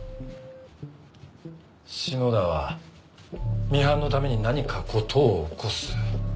篠田はミハンのために何か事を起こす。